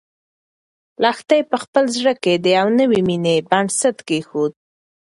لښتې په خپل زړه کې د یوې نوې مېنې بنسټ کېښود.